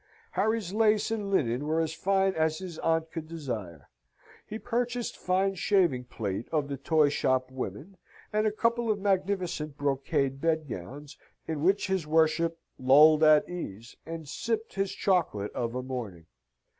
Harry's lace and linen were as fine as his aunt could desire. He purchased fine shaving plate of the toy shop women, and a couple of magnificent brocade bedgowns, in which his worship lolled at ease, and sipped his chocolate of a morning.